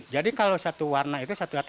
jadi kalau satu warna satu irta satu warna